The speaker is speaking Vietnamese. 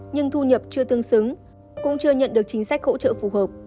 nhưng thu nhập chưa tương xứng cũng chưa nhận được chính sách hỗ trợ phù hợp